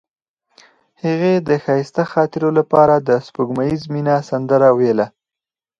هغې د ښایسته خاطرو لپاره د سپوږمیز مینه سندره ویله.